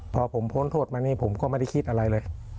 พอผมพ้นโทษมานี่ผมก็ไม่ได้คิดอะไรเลย